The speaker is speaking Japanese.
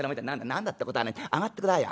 『何だってことはねえ上がってくださいよ』。